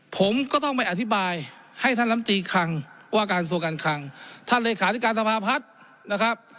ผมก็ต้องไปอธิบายให้ท่านลำตีคังว่าการส่วนการคังท่านเลขาธิการสภาพัฒน์นะครับ